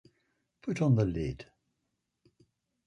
Put on the lid.